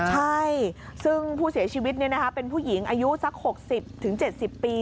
ใช่ซึ่งผู้เสียชีวิตเป็นผู้หญิงอายุสัก๖๐๗๐ปี